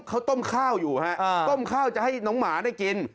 เขาต้มข้าวอยู่ฮะต้มข้าวจะให้น้องหมาได้กิน